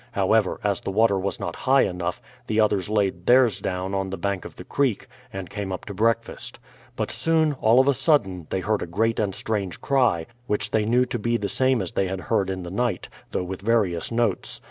However, as the water was not high enough, the others laid theirs down on the bank of the creek, and came up to breakfast. But soon, all of a sudden, they heard a great and strange cry, W'hich they knew to be the same as they had heard in the night, though with various notes.